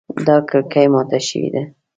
دا کړکۍ ماته شوې ده